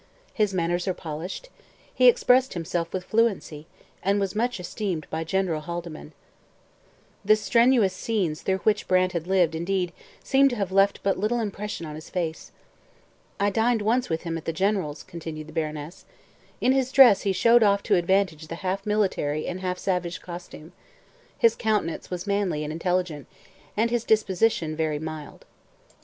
His manners are polished: he expressed himself with fluency, and was much esteemed by General Haldimand.' The strenuous scenes through which Brant had lived, indeed, seem to have left but little impression on his face. 'I dined once with him at the General's,' continued the baroness. 'In his dress he showed off to advantage the half military and half savage costume. His countenance was manly and intelligent, and his disposition very mild.'